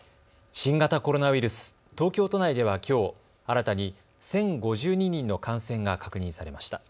新型コロナウイルス、東京都内ではきょう新たに１０５２人の感染が確認されました。